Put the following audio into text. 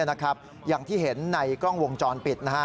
อย่างที่เห็นในกล้องวงจรปิด